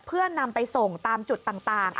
เพื่อนำไปส่งตามจุดต่าง